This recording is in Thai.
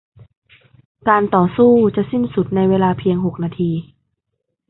การต่อสู้จะสิ้นสุดในเวลาเพียงหกนาที